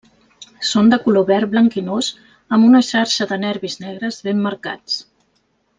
Són de color verd blanquinós amb una xarxa de nervis negres ben marcats.